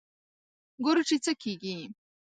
ګورو چې څه کېږي.